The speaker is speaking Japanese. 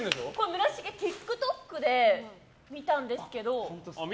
村重、ＴｉｋＴｏｋで見たんですけど。